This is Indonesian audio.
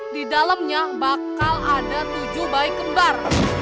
di dalamnya bakal ada tujuh bayi kembar